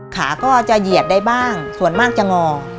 ขาก็จะเหยียดได้บ้างส่วนมากจะงอ